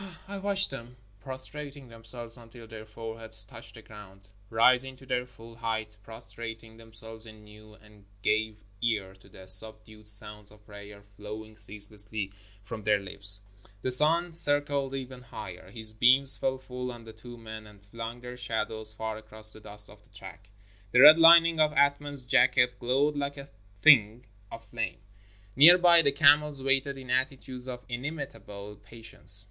I watched them prostrating themselves until their foreheads touched the ground, rising to their full height, prostrating themselves anew, and gave ear to the sub dued sounds of prayer flowing ceaselessly from their lips. The sun circled ever higher. His beams fell full on the two men and flung their shadows far across the dust of the track. The red lining of Athman's jacket glowed like a thing of flame. Near by, the camels waited in attitudes of inimitable patience.